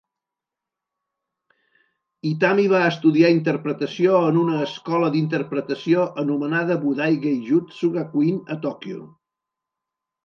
Itami va estudiar interpretació en una escola d'interpretació anomenada Budai Geijutsu Gakuin, a Tòquio.